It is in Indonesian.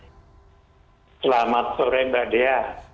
selamat sore mbak dea